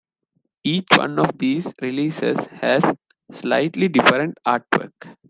Each one of these releases has slightly different artwork.